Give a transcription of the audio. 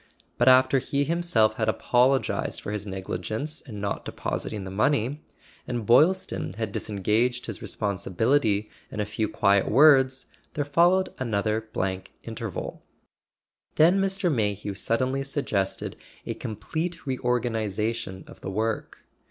But after he himself had apologized for his negligence in not depositing the money, and Boylston had disengaged his responsibility in a few quiet words, there followed another blank interval. Then Mr. May¬ hew suddenly suggested a complete reorganization of the work.